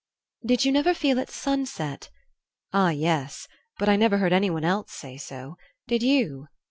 "Did you never feel at sunset " "Ah, yes; but I never heard anyone else say so. Did you?"